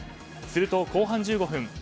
すると後半１５分。